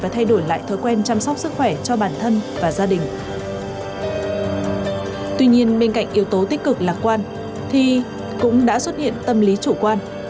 tuy nhiên bên cạnh yếu tố tích cực lạc quan thì cũng đã xuất hiện tâm lý chủ quan